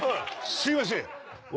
すいません。